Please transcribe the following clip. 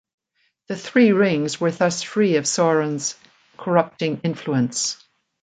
The Three Rings were thus free of Sauron's corrupting influence.